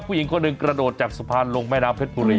ผู้หญิงคนหนึ่งกระโดดจากสะพานลงแม่น้ำเพชรบุรี